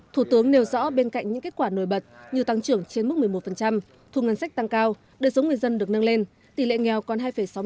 thủ tướng nêu rõ bên cạnh những kết quả nổi bật như tăng trưởng trên mức một mươi một thu ngân sách tăng cao đời sống người dân được nâng lên tỷ lệ nghèo còn hai sáu mươi chín